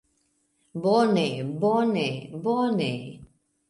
Bone, bone, bone...